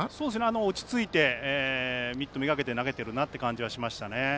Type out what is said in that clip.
落ちついてミットめがけて投げているなという感じはしましたね。